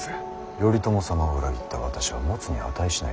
頼朝様を裏切った私は持つに値しない。